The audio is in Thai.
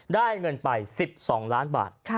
ได้เงินไป๑๒ล้านบาท